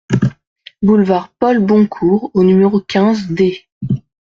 Boulevard Paul Boncour au numéro quinze D